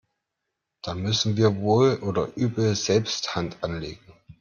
Da müssen wir wohl oder übel selbst Hand anlegen.